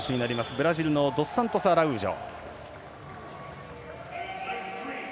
ブラジルのドスサントスアラウージョ。